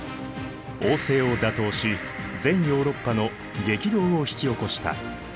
王政を打倒し全ヨーロッパの激動を引き起こした。